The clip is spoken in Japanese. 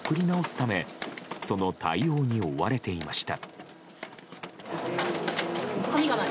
ためその対応に追われていました。